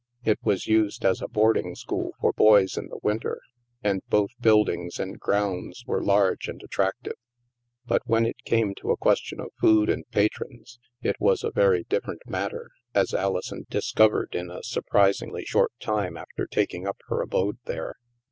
It was used as a boarding school for boys in the winter, and both buildings and grounds were large and at tractive. But when it came to a question of food and patrons, it was a very different matter, as Ali son discovered in a surprisingly short time after taking up her abode there.